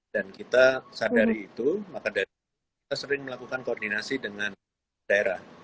dan kita sadari itu maka dari itu kita sering melakukan koordinasi dengan daerah